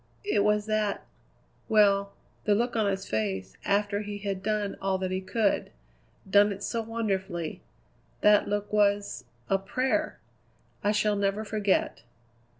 "It was that well, the look on his face after he had done all that he could done it so wonderfully. That look was a prayer! I shall never forget."